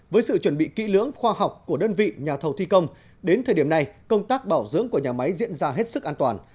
với sự chuẩn bị kỹ lưỡng khoa học của đơn vị nhà thầu thi công đến thời điểm này công tác bảo dưỡng của nhà máy diễn ra hết sức an toàn